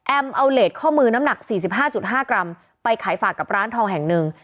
แอมเอาเหลดข้อมือน้ำหนักสี่สิบห้าจุดห้ากรัมไปขายฝากกับร้านทองแห่งหนึ่ง